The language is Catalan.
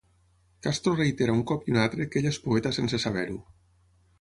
Castro reitera un cop i un altre que ella és poeta sense saber-ho.